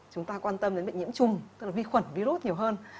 chúng ta quan tâm đến bệnh nhiễm chung tức là vi khuẩn virus nhiều hơn